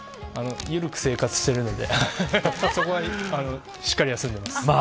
緩く生活してるのでそこはしっかり休んでます。